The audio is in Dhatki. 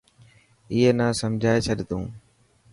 اي نا سمجهائي ڇڏ تون.